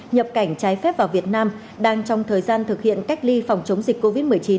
nhập cảnh trái phép vào việt nam đang trong thời gian thực hiện cách ly phòng chống dịch covid một mươi chín